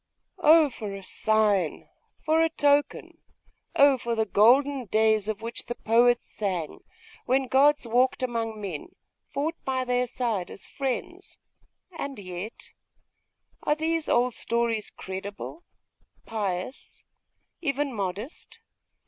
'Oh for a sign, for a token! Oh for the golden days of which the poets sang, when gods walked among men, fought by their side as friends! And yet.... are these old stories credible, pious, even modest?